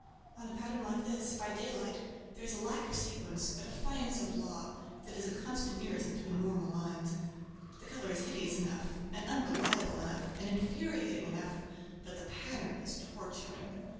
On a pattern like this, by daylight, there is a lack of sequence, a defiance of law, that is a constant irritant to a normal mind. The color is hideous enough, and unreliable enough, and infuriating enough, but the pattern is torturing.